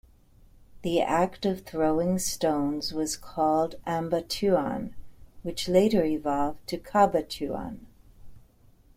The act of throwing stones was called "ambatuan" which later evolved to "cabatuan".